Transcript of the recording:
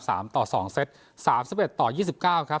ต่อสองเซตสามสิบเอ็ดต่อยี่สิบเก้าครับ